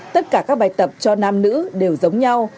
tất cả các bài tập cho nam nữ đều giống nhau